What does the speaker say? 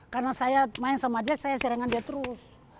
karena saya main sama dia saya serangan dia terus